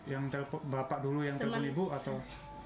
yang telpon bapak dulu yang telpon ibu atau